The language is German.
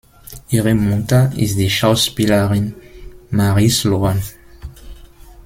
Ihre Mutter ist die Schauspielerin Mary Sloan.